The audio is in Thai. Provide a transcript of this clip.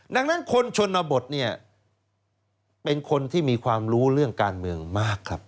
ดังนั้นคนชนบทเนี่ยเป็นคนที่มีความรู้เรื่องการเมืองมากครับ